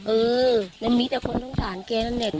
เออนั้นมีแต่คนต้องการแกนั่นเนี่ย